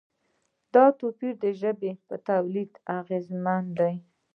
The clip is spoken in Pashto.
دا توپیر د ژبې په تولید اغېزمن دی.